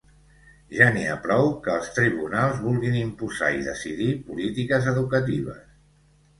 Ja n’hi ha prou que els tribunals vulguin imposar i decidir polítiques educatives.